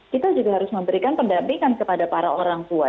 kita juga harus memberikan pendampingan kepada para orang tua